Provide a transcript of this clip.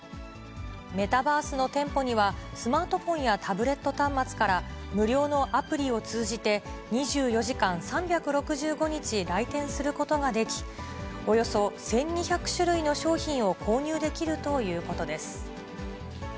メタバースの店舗には、スマートフォンやタブレット端末から無料のアプリを通じて、２４時間３６５日来店することができ、およそ１２００種類の商品を購入できるということです。